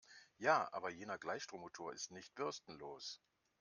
Ja, aber jener Gleichstrommotor ist nicht bürstenlos.